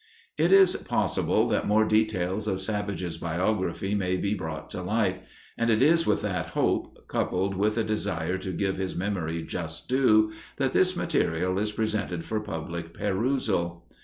It is possible that more details of Savage's biography may be brought to light, and it is with that hope, coupled with the desire to give his memory just due, that this material is presented for public perusal.